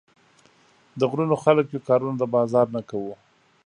د غرونو خلک يو، کارونه د بازار نۀ کوو